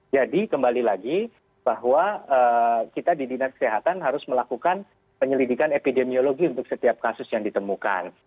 jadi kembali lagi bahwa kita di dinas kesehatan harus melakukan penyelidikan epidemiologi untuk setiap kasus yang ditemukan